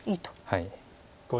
はい。